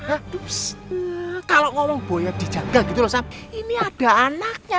aduh kalau ngomong boy yang dijaga gitu loh ini ada anaknya